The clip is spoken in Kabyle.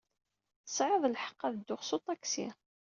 Tesɛiḍ lḥeqq. Ad dduɣ s uṭaksi.